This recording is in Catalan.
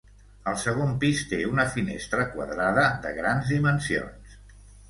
El segon pis té una finestra quadrada de grans dimensions.